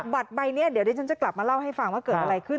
บัตรใบนี้เดี๋ยวดิฉันจะกลับมาเล่าให้ฟังว่าเกิดอะไรขึ้น